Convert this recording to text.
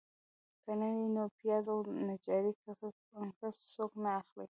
که نه وي نو پیاز او نجاري کسب څوک نه اخلي.